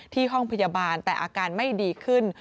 ห้องพยาบาลแต่อาการไม่ดีขึ้น